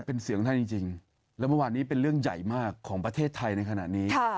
เป็นเสียงท่านจริงแล้วเมื่อวานนี้เป็นเรื่องใหญ่มากของประเทศไทยในขณะนี้